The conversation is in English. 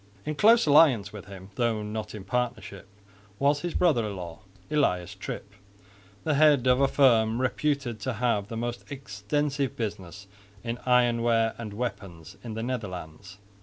In close alliance with him, though not in partnership, was his brother in law, Elias Trip, the head of a firm reputed to have the most extensive business in iron ware and weapons in the Netherlands.